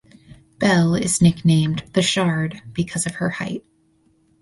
Bell is nicknamed "The Shard" because of her height.